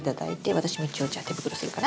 私も一応じゃあ手袋するかな。